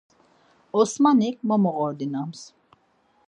Osmanik momoğerdinams.